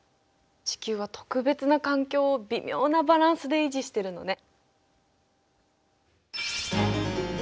地球は特別な環境を微妙なバランスで維持してるのね。